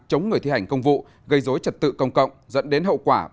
chống người thi hành công vụ gây dối trật tự công cộng dẫn đến hậu quả